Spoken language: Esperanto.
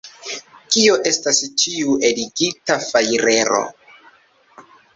Kio estas tiu eligita fajrero?